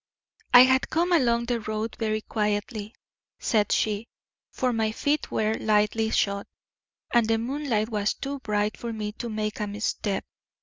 "I had come along the road very quietly," said she, "for my feet were lightly shod, and the moonlight was too bright for me to make a misstep.